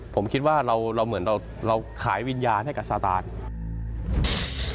ผมคิดว่าเราเหมือนเราขายวิญญาณให้กับซาตาน